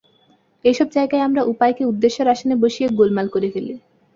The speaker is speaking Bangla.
এইসব জায়গায় আমরা উপায়কে উদ্দেশ্যের আসনে বসিয়ে গোলমাল করে ফেলি।